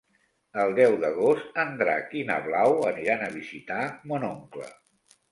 El deu d'agost en Drac i na Blau aniran a visitar mon oncle.